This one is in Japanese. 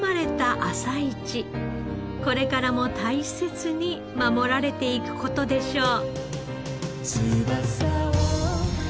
これからも大切に守られていく事でしょう。